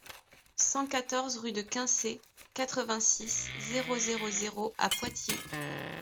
cent quatorze rue de Quinçay, quatre-vingt-six, zéro zéro zéro à Poitiers